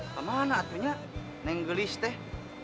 pamanah atunya neng gelis teh